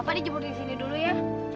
apa ini jemput disini dulu ya